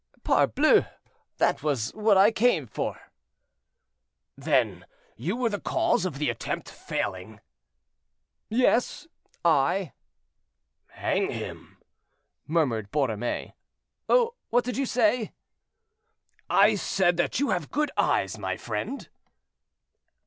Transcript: "Parbleu! that was what I came for." "Then you were the cause of the attempt failing?" "Yes, I." "Hang him!" murmured Borromée. "What did you say?" "I said that you have good eyes, my friend."